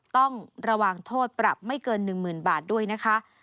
ต้องระวังโทษปรับไม่เกิน๑๐๐๐บาทด้วยนะคะ